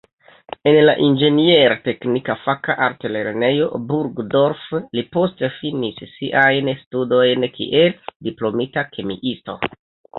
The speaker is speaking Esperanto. En la inĝenier-teknika faka altlernejo Burgdorf li poste finis siajn studojn kiel diplomita kemiisto.